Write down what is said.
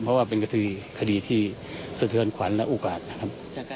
เพราะว่าเป็นคดีที่สะเทือนขวัญและอุกอาจนะครับ